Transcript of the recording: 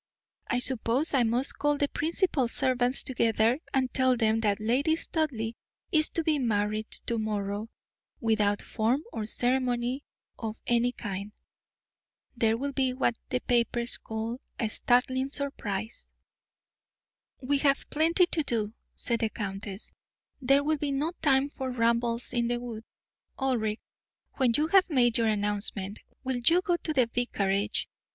I suppose I must call the principal servants together and tell them that Lady Studleigh is to be married to morrow, without form or ceremony of any kind. There will be what the papers call a startling surprise!" "We have plenty to do," said the countess; "there will be no time for rambles in the wood. Ulric, when you have made your announcement, will you go to the vicarage?